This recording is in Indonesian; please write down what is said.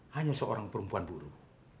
hanya seorang perempuan buruk